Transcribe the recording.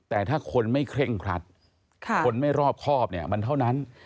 แต่ถ้าคนไม่เคร่งครัดคนไม่รอบครอบเนี่ยมันเท่านั้น